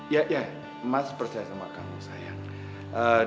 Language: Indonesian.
ya ya mas percaya sama kamu saya